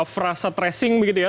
frasa tracing begitu ya